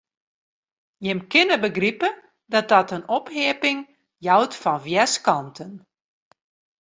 Jim kinne begripe dat dat in opheapping jout fan wjerskanten.